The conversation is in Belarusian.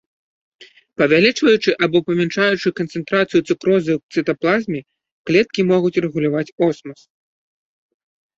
Павялічваючы або памяншаючы канцэнтрацыю цукрозы ў цытаплазме, клеткі могуць рэгуляваць осмас.